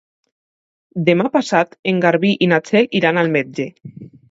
Demà passat en Garbí i na Txell iran al metge.